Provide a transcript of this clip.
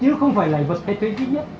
chứ không phải là vật thay thế duy nhất